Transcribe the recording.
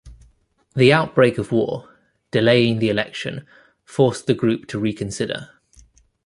The outbreak of war, delaying the election, forced the group to reconsider.